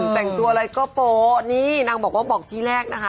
แต่งตัวอะไรก็โป๊ะนี่นางบอกว่าบอกที่แรกนะคะ